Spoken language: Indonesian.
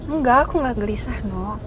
enggak aku gak gelisah no